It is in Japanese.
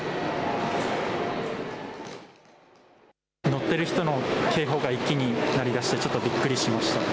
乗ってる人の警報が一気に鳴り出して、ちょっとびっくりしました。